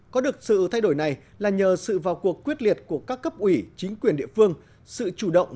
có được sự thay đổi này là nhờ sự vào cuộc quyết liệt của các cấp ủy chính quyền địa phương sự chủ động